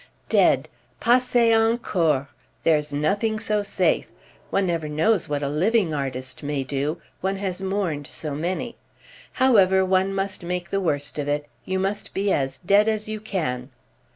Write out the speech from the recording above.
"Dead—passe encore; there's nothing so safe. One never knows what a living artist may do—one has mourned so many. However, one must make the worst of it. You must be as dead as you can."